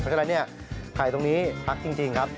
เพราะฉะนั้นไข่ตรงนี้พักจริงครับ